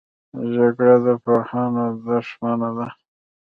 جګړه د پوهانو دښمنه ده